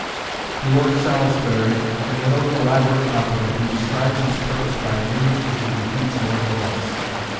To Lord Salisbury, in a note of elaborate compliment, he describes his purpose by an image which he repeats more than once.